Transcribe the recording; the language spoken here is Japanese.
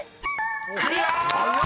［クリア！］